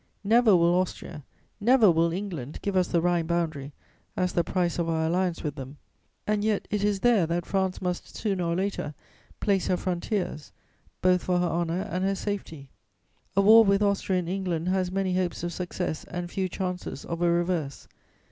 Never will Austria, never will England give us the Rhine boundary as the price of our alliance with them: and yet it is there that France must, sooner or later, place her frontiers, both for her honour and her safety. "A war with Austria and England has many hopes of success and few chances of a reverse.